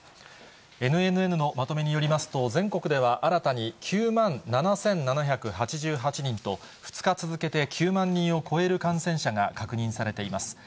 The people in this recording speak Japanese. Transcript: ＮＮＮのまとめによりますと、全国では新たに９万７７８８人と、２日続けて９万人を超える感染者が確認されています。